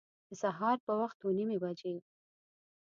د سهار په وخت اوه نیمي بجي